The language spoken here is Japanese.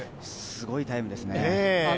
すごいタイムですね。